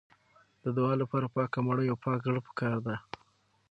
د دعا لپاره پاکه مړۍ او پاک زړه پکار دی.